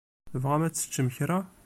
Tebɣam ad teččem kra?